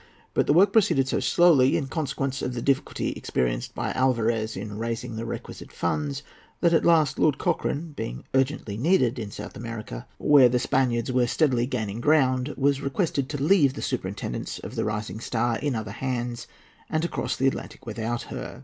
But the work proceeded so slowly, in consequence of the difficulty experienced by Alvarez in raising the requisite funds, that, at last, Lord Cochrane, being urgently needed in South America, where the Spaniards were steadily gaining ground, was requested to leave the superintendence of the Rising Star in other hands, and to cross the Atlantic without her.